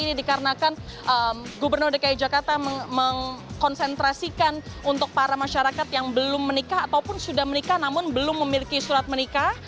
ini dikarenakan gubernur dki jakarta mengkonsentrasikan untuk para masyarakat yang belum menikah ataupun sudah menikah namun belum memiliki surat menikah